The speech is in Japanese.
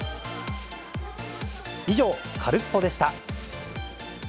以上、カルスポっ！でした。